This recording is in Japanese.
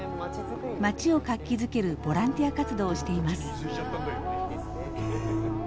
町を活気づけるボランティア活動をしています。